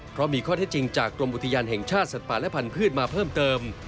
เพราะมีข้อเท็จจริงจากกรมอุทยานแห่งชาติสัตว์ป่าและพันธุ์มาเพิ่มเติม